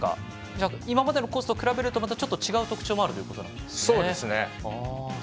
今までのコースと比べるとまた、ちょっと違う特徴もあるということなんですね。